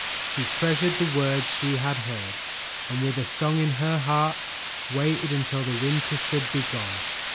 She treasured the words she had heard, and with a song in her heart, waited until the winter should be gone.